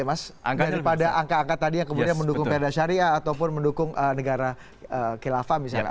mas daripada angka angka tadi yang kemudian mendukung perda syariah ataupun mendukung negara khilafah misalnya